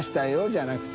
じゃなくて。